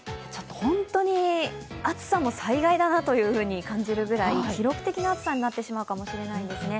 本当に暑さも災害だなと感じるぐらい記録的な暑さになってしまうかもしれないんですね。